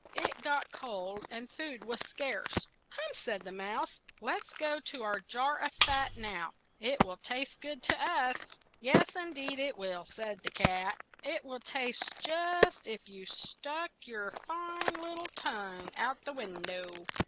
It got cold, and food was scarce. "Come," said the mouse, "let us go to our jar of fat now; it will taste good to us." "Yes, in deed, it will," said the cat. "It will taste just as if you stuck your fine lit tle tongue out of the win dow.